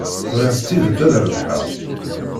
Bɣiɣ s tidet ad rebḥeɣ.